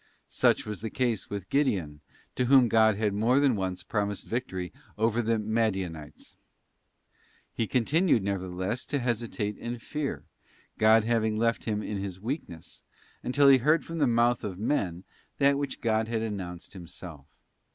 Such was the case with Gideon, to whom God had more than once promised victory over the Madianites. He con tinued, nevertheless, to hesitate and fear, God having left him in this weakness, until he heard from the mouth of men that which God had announced Himself.